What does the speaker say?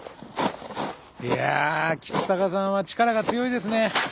いや橘高さんは力が強いですね。